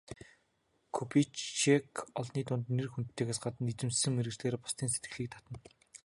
Кубицчек олны дунд нэр хүндтэйгээс гадна эзэмшсэн мэргэжлээрээ бусдын сэтгэлийг татна.